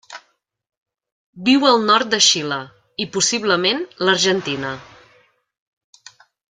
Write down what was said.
Viu al nord de Xile i, possiblement, l'Argentina.